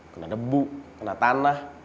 kena debu kena tanah